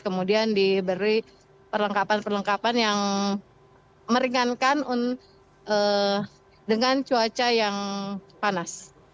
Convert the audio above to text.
kemudian diberi perlengkapan perlengkapan yang meringankan dengan cuaca yang panas